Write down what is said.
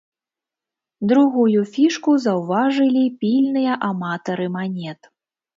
Другую фішку заўважылі пільныя аматары манет.